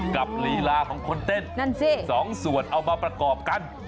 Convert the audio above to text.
ลีลาของคนเต้นนั่นสิสองส่วนเอามาประกอบกัน